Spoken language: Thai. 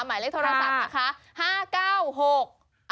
หมายเลขโทรศัพท์นะคะ๕๙๖